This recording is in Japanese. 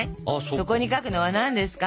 そこに書くのは何ですか？